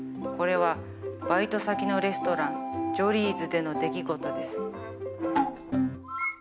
これはバイト先のレストランジョリーズでの出来事です。